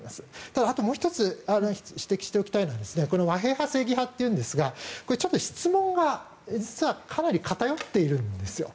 ただ、あともう１つ指摘しておきたいのはこの和平派正義派というんですが質問が実はかなり偏っているんですよ。